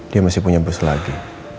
dia masih punya bus lagi